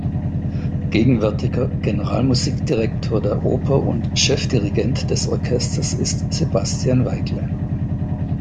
Gegenwärtiger Generalmusikdirektor der Oper und Chefdirigent des Orchesters ist Sebastian Weigle.